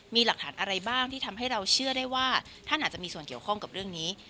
มีหลักฐานอะไรบ้างที่ทำให้เราเชื่อได้ว่าท่านอาจจะมีส่วนเกี่ยวข้องกับเรื่องนี้